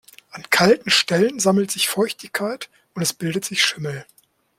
An kalten Stellen sammelt sich Feuchtigkeit und es bildet sich Schimmel.